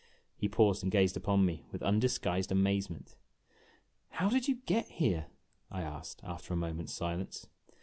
He paused and gazed upon me with undisguised amazement. "How did you get here?" I asked, after a moment's silence.